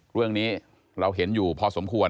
เรื่องนี้เราเห็นอยู่พอสมควร